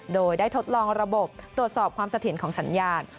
โดยได้ทดลองระบบตรวจสอบความเสถียรของสัญญาณ